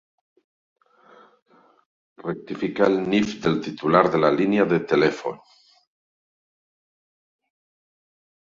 Rectificar el NIF del titular de la línia de telèfon.